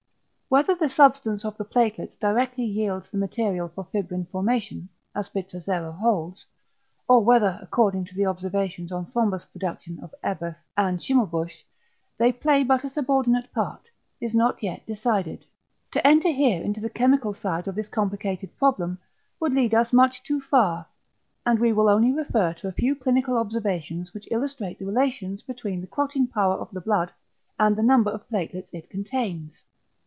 Whether the substance of the platelets directly yields the material for fibrin formation, as Bizzozero holds, or whether according to the observations on thrombus production of Eberth and Schimmelbusch they play but a subordinate part, is not yet decided. To enter here into the chemical side of this complicated problem, would lead us much too far, and we will only refer to a few clinical observations which illustrate the relations between the clotting power of the blood and the number of platelets it contains.